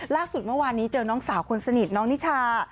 ล่าสุดเมื่อวานนี้เจอน้องสาวคนสนิทน้องนิชา